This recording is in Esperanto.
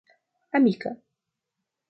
Amika.